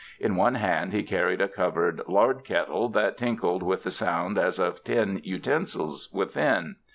In one hand he carried a covered lard kettle that tinkled with a sound as of tin utensils within.